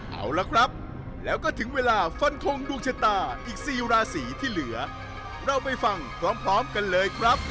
เอาละครับแล้วก็ถึงเวลาฟันทงดวงชะตาอีก๔ราศีที่เหลือเราไปฟังพร้อมกันเลยครับ